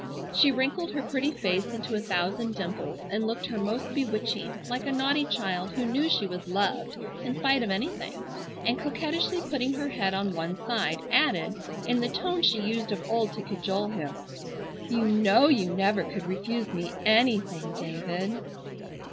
She wrinkled her pretty face into a thousand dimples and looked her most bewitching like a naughty child who knew she was loved in spite of anything, and coquettishly putting her head on one side, added, in the tone she used of old to cajole him: "You know you never could refuse me anything, David."